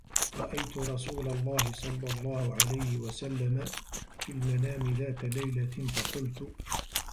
رَأَيْتُ رَسُولَ اللَّهِ صَلَّى اللَّهُ عَلَيْهِ وَسَلَّمَ فِي الْمَنَامِ ذَاتَ لَيْلَةٍ فَقُلْتُ